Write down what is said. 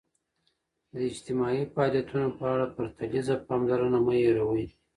د اجتماعي فعالیتونو په اړه پرتلیزه پاملرنه مه هېروئ.